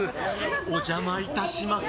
お邪魔いたします。